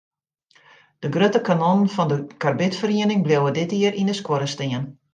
De grutte kanonnen fan de karbidferiening bliuwe dit jier yn de skuorre stean.